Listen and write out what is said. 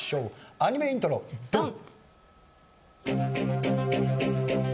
アニメイントロドン！